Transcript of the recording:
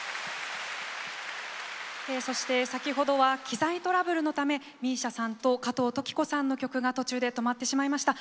そして、先ほどは機材トラブルのためＭＩＳＩＡさんと加藤登紀子さんの曲が途中で止まってしまいました。